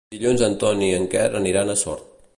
Dilluns en Ton i en Quer aniran a Sort.